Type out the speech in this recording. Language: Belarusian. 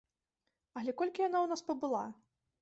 Але колькі яна ў нас пабыла?